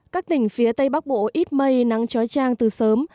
các tỉnh phía tây bắc bộ ít mây nắng trói trang từ sớm